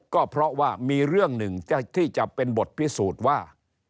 ก็เพราะว่ามีเรื่องหนึ่งที่จะเป็นบทพิสูจน์ว่า